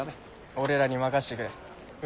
俺らに任せてくれい。